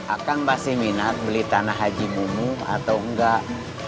akan pasti minat beli tanah haji bumu atau enggak